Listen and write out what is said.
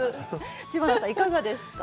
知花さん、いかがですか？